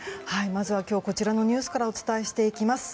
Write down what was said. まずは今日こちらのニュースからお伝えします。